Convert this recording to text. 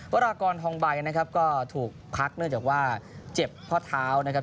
วรากรทองใบนะครับก็ถูกพักเนื่องจากว่าเจ็บข้อเท้านะครับ